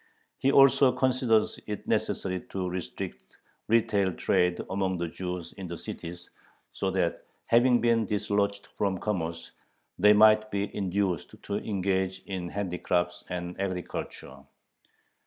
He also considers it necessary to restrict retail trade among the Jews in the cities, so that, having been dislodged from commerce, they might be induced to engage in handicrafts and agriculture.